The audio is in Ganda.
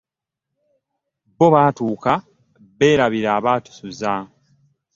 Bbo batuuka berabira abtusizza .